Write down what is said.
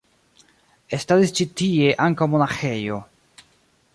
Estadis ĉi tie ankaŭ monaĥejo.